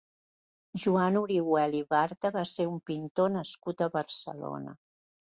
Joan Orihuel i Barta va ser un pintor nascut a Barcelona.